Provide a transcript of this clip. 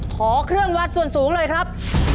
ขอเครื่องวัดส่วนสูงเลยครับ